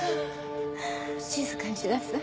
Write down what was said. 静かにしなさい。